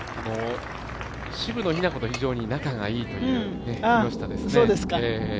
渋野日向子と非常に仲が良いという木下ですね。